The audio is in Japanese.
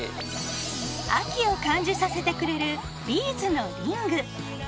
秋を感じさせてくれるビーズのリング。